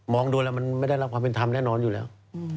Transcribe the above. ดูแล้วมันไม่ได้รับความเป็นธรรมแน่นอนอยู่แล้ว